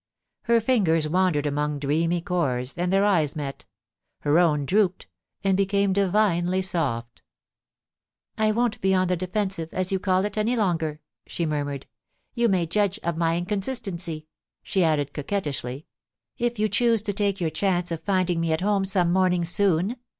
* Her fingers wandered among dreamy chords, and their eyes met ; her own drooped, and became divinely soft. * I won*t be on the defensive, as you call it, any longer,' she murmured. * You may judge of my inconsistency,* she added coquettishly, * if you choose to take your chance of finding me at home some morning soon.